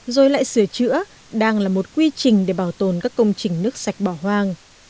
rồi lại sửa chữa đang là một quy trình để bảo tồn các công trình nước sạch bỏ hoang